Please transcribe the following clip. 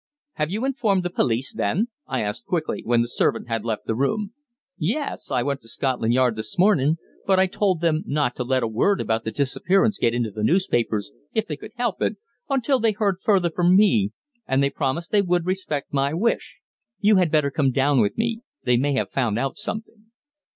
"Have you informed the police, then?" I asked quickly, when the servant had left the room. "Yes. I went to Scotland Yard this mornin', but I told them not to let a word about the disappearance get into the newspapers, if they could help it, until they heard further from me, and they promised they would respect my wish. You had better come down with me. They may have found out something."